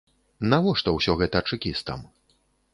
Навошта ўсё гэта чэкістам?